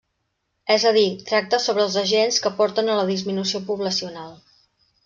És a dir, tracta sobre els agents que porten a la disminució poblacional.